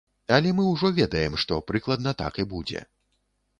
Але мы ўжо ведаем, што прыкладна так і будзе.